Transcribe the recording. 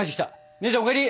姉ちゃんお帰り！